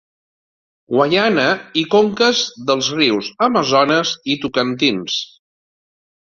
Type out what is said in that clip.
Guaiana i conques dels rius Amazones i Tocantins.